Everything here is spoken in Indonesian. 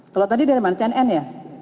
kalau tadi dari mana cnn ya